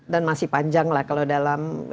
dan masih panjang lah kalau dalam